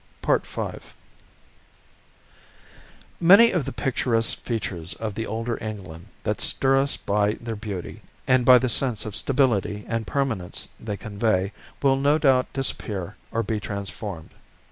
V Many of those picturesque features of the older England, that stir us by their beauty and by the sense of stability and permanence they convey, will no doubt disappear or be transformed.